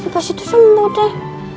mas itu semua deh